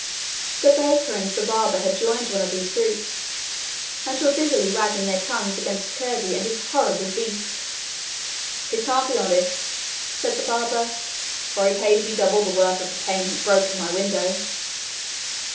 The baker and the barber had joined one of these groups, and were busily wagging their tongues against Curdie and his horrible beast. 'He can't be honest,' said the barber; 'for he paid me double the worth of the pane he broke in my window.'